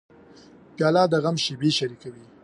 پیاله د غم شېبې شریکوي.